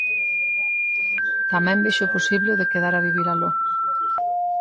Tamén vexo posible o de quedar a vivir aló.